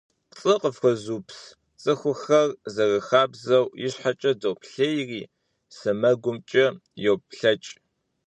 ПцӀы къыфхуэзыупс цӀыхухэр, зэрыхабзэу, ищхьэкӀэ доплъейри, сэмэгумкӀэ йоплъэкӀ.